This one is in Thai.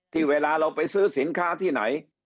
เวลาเราไปซื้อสินค้าที่ไหน